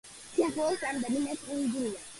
სიახლოვეს რამდენიმე კუნძულია.